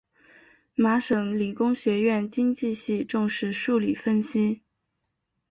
麻省理工学院经济系重视数理分析。